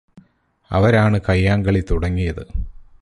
അവരാണ് കയ്യാങ്കളി തുടങ്ങിയത്